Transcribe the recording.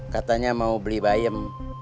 katanya mau beli bayam